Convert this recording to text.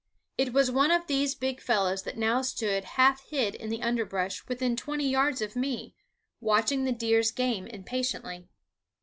It was one of these big fellows that now stood half hid in the underbrush within twenty yards of me, watching the deer's game impatiently.